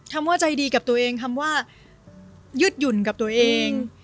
ว่าใจดีกับตัวเองคำว่ายืดหยุ่นกับตัวเอง